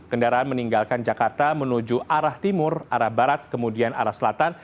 kendaraan meninggalkan jakarta menuju arah timur arah barat kemudian arah selatan